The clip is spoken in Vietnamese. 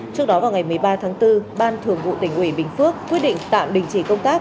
trước đó vào ngày một mươi ba tháng bốn ban thường vụ tỉnh ủy bình phước quyết định tạm đình chỉ công tác